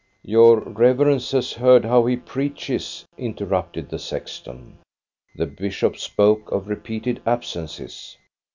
" Your Reverence has heard how he preaches," in terrupted the sexton. The bishop spoke of repeated absences.